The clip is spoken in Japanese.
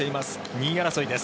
２位争いです。